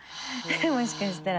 もしかしたら。